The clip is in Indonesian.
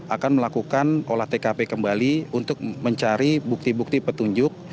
akan melakukan olah tkp kembali untuk mencari bukti bukti petunjuk